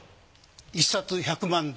１冊１００万で。